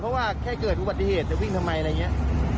เพราะว่าแค่เกิดอุบัติเหตุจะวิ่งทำไมอะไรอย่างนี้